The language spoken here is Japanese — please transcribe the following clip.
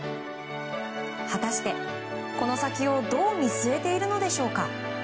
果たして、この先をどう見据えているのでしょうか。